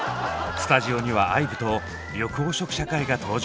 スタジオにはＩＶＥと緑黄色社会が登場！